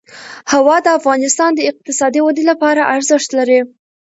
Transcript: هوا د افغانستان د اقتصادي ودې لپاره ارزښت لري.